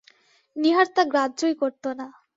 নীহার তা গ্রাহ্যই করত না।